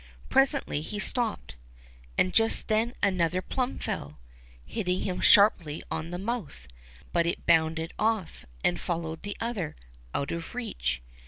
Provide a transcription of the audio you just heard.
Presently he stopped, and just then another plum fell, hitting him sharply on the mouth ; but it bounded off, and followed the other, out of reach.